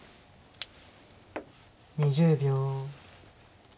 ２０秒。